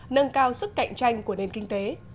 nâng cao sức cạnh tranh của nền kinh tế